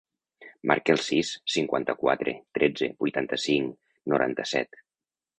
Marca el sis, cinquanta-quatre, tretze, vuitanta-cinc, noranta-set.